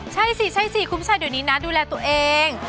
ใช่สิใช่สิคุณผู้ชายเดี๋ยวนี้นะดูแลตัวเอง